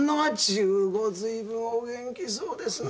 随分お元気そうですねえ。